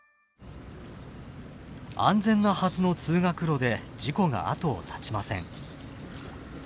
安全なはずの「通学路」で事故が後を絶ちません。